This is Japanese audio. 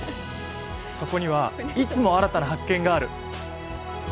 そこにはいつも新たな発見がある。